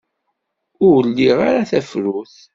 Ur liɣ ara tafrut.